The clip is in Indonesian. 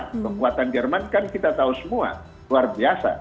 kekuatan jerman kan kita tahu semua luar biasa